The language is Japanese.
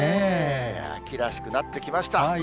秋らしくなってきました。